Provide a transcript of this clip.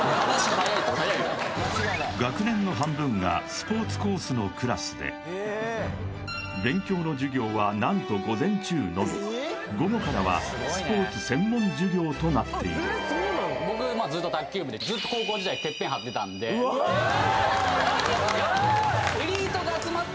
早いわ学年の半分がスポーツコースのクラスで勉強の授業は何と午前中のみ午後からはスポーツ専門授業となっている僕ずっと卓球部でずっとうぇいフーッ！